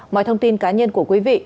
mọi thông tin cá nhân của quý vị